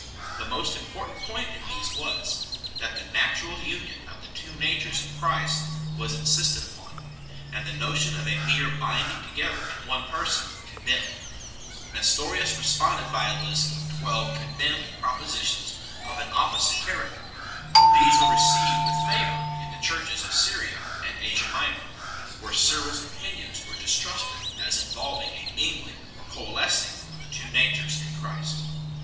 The most important point in these was, that the natural union of the two natures in Christ was insisted upon, and the notion of a mere binding together in one person condemned 4 . Nestorius responded by a list of twelve condemned propositions of an opposite character 5 . These were received with favour in the churches of Syria and Asia Minor, where Cyril s opinions were distrusted as involving a mingling or coalescing of the two natures in Christ.